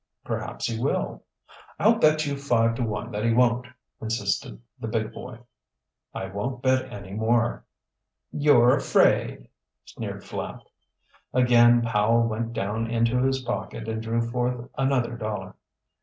"Perhaps he will." "I'll bet you five to one that he won't," insisted the big boy. "I won't bet any more." "You're afraid," sneered Flapp. Again Powell went down into his pocket and drew forth another dollar.